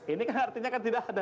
ini kan artinya kan tidak ada